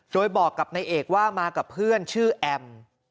โดยบอกกับนายเอกว่ามากับเพื่อนชื่อแอม